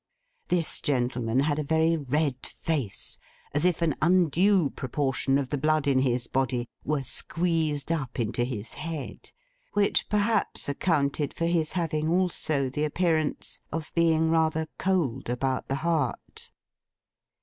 This gentleman had a very red face, as if an undue proportion of the blood in his body were squeezed up into his head; which perhaps accounted for his having also the appearance of being rather cold about the heart.